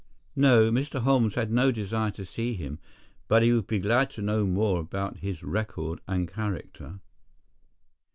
No, Mr. Holmes had no desire to see him, but would be glad to know more about his record and character.